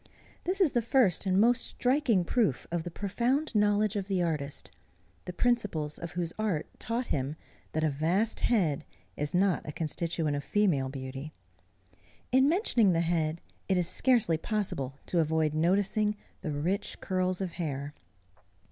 This is the first and most striking proof of the profound knowledge of the artist, the principles of whose art taught him that a vast head is not a constituent of female beauty. In mentioning the head it is scarcely possible to avoid noticing the rich curls of hair.